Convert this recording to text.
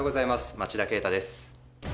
町田啓太です。